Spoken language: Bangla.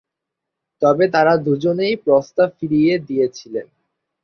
তবে তারা দুজনেই প্রস্তাব ফিরিয়ে দিয়েছিলেন।